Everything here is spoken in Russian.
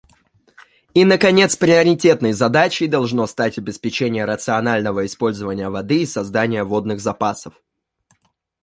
И, наконец, приоритетной задачей должно стать обеспечение рационального использования воды и создания водных запасов.